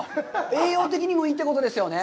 栄養的にもいいってことですよね？